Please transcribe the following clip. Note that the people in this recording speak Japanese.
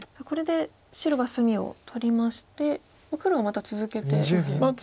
これで白が隅を取りまして黒はまた続けて右辺を。